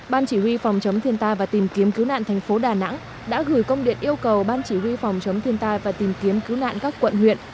ban chỉ huy phòng chống thiên tai và tìm kiếm cứu nạn thành phố đà nẵng đã gửi công điện yêu cầu ban chỉ huy phòng chống thiên tai và tìm kiếm cứu nạn các quận huyện